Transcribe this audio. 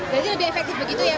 jadi lebih efektif begitu ya pak